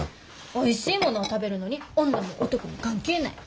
おいしいものを食べるのに女も男も関係ない。